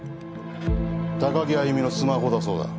高城歩のスマホだそうだ。